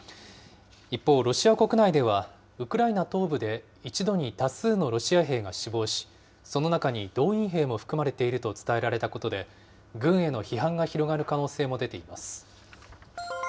一方、ロシア国内ではウクライナ東部で、一度に多数のロシア兵が死亡し、その中に動員兵も含まれていると伝えられたことで、軍への批判が広がる可能性も出ています。